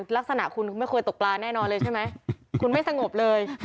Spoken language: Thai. ลักษณะคุณไม่เคยตกปลาแน่นอนเลยใช่ไหมคุณไม่สงบเลย